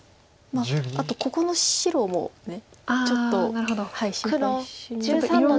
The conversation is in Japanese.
あとここの白もちょっと心配。